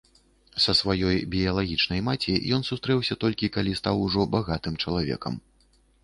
Са сваёй біялагічнай маці ён сустрэўся толькі калі стаў ужо багатым чалавекам.